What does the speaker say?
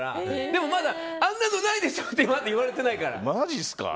でもまだあんなのないでしょってまだ言われてないから。